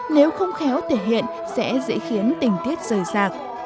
nếu không khéo thể hiện sẽ dễ khiến tình tiết rời rạc